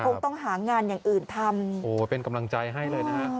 คงต้องหางานอย่างอื่นทำโอ้เป็นกำลังใจให้เลยนะฮะ